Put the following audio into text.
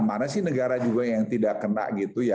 mana sih negara juga yang tidak kena gitu ya